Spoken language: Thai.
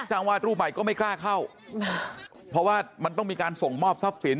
วาดรูปใหม่ก็ไม่กล้าเข้าเพราะว่ามันต้องมีการส่งมอบทรัพย์สิน